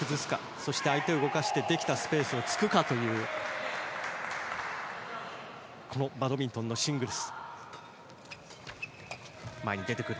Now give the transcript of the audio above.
そして、相手を動かしてできたスペースを突くかというバドミントンのシングルス。